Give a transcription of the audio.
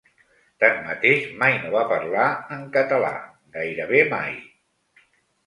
Tanmateix mai no va parlar en català gairebé mai.